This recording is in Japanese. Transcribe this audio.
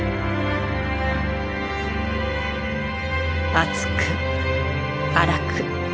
厚く荒く。